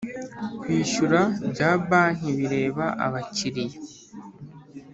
kwishyura bya banki bireba abakiriya